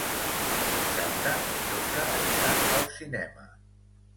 Dissabte en Jofre anirà al cinema.